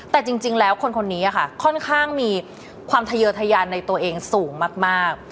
แต่จริงแล้วคนนี้ค่ะค่อนข้างมีความทะเยอร์ทะยานในตัวเองสูงมาก